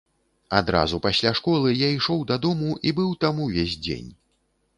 Адразу пасля школы я ішоў дадому і быў там увесь дзень.